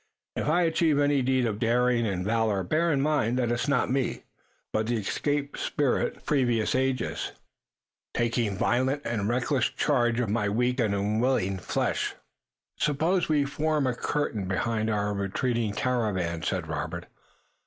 If I achieve any deed of daring and valor bear in mind that it's not me, but the escaped spirit of previous ages taking violent and reckless charge of my weak and unwilling flesh." "Suppose we form a curtain behind our retreating caravan," said Robert.